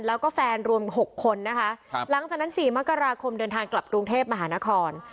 แล้วก็แฟนรวมหกคนนะคะครับหลังจากนั้นสี่มกราคมเดินทางกลับกรุงเทพมหานคร